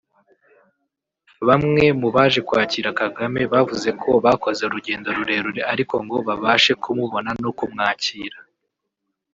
Bamwe mu baje kwakira Kagame bavuze ko bakoze urugendo rurerure ariko ngo babashe kumubona no kumwakira